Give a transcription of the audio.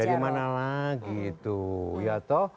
dari mana lagi tuh